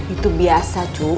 itu biasa cu